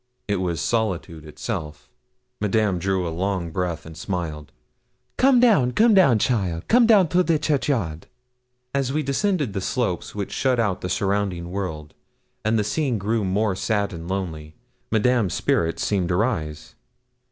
It was solitude itself. Madame drew a long breath and smiled. 'Come down, come down, cheaile come down to the churchyard.' As we descended the slope which shut out the surrounding world, and the scene grew more sad and lonely, Madame's spirits seemed to rise.